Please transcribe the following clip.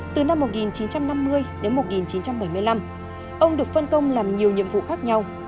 từ năm một nghìn chín trăm năm mươi đến một nghìn chín trăm bảy mươi năm ông được phân công làm nhiều nhiệm vụ khác nhau